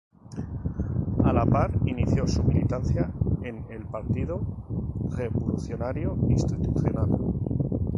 A la par inició su militancia en el Partido Revolucionario Institucional.